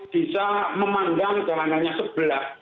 bisa memandang jalanannya sebelah